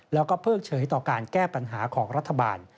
แล้วก็เพิกเฉยต่อการแก้ปัญหาของรัฐบาล